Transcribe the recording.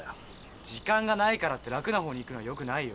時間がないからって楽なほうにいくのはよくないよ。